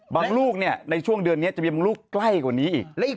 ลูกในช่วงเดือนนี้จะมีบางลูกใกล้กว่านี้อีก